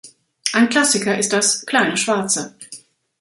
Ein Klassiker ist das „Kleine Schwarze“.